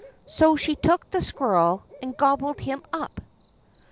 So she took the squirrel and gobbled him up.